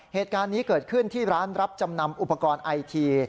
เหตุการณ์นี้เกิดขึ้นที่ร้านรับจำนำอุปกรณ์ไอที